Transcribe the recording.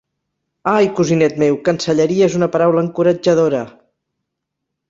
Ai, cosinet meu, cancelleria és una paraula encoratjadora!